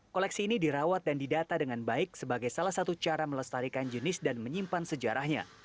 koleksi ini dirawat dan didata dengan baik sebagai salah satu cara melestarikan jenis dan menyimpan sejarahnya